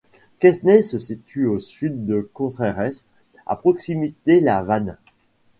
Quesney se situe au Sud de Contrères à proximité la Vanne.